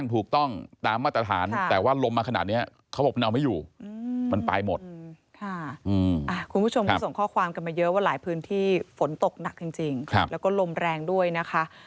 ฝนตกหนักจริงแล้วก็ลมแรงด้วยนะคะ